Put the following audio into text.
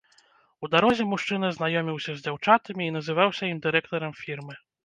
У дарозе мужчына знаёміўся з дзяўчатамі і называўся ім дырэктарам фірмы.